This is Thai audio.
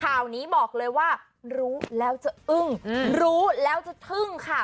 ข่าวนี้บอกเลยว่ารู้แล้วจะอึ้งรู้แล้วจะทึ่งค่ะ